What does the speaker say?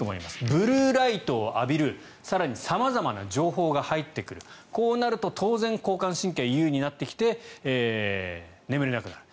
ブルーライトを浴びる更に様々な情報が入ってくるこうなると当然交感神経が優位になってきて眠れなくなる。